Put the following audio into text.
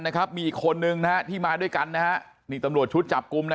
นะครับมีอีกคนนึงนะฮะที่มาด้วยกันนะฮะนี่ตำรวจชุดจับกลุ่มนะ